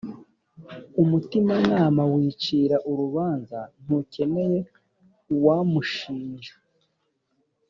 umutimanama wicira urubanza ntukeneye uwamushinja